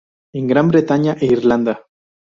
En Gran Bretaña e Irlanda.